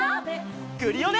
クリオネ！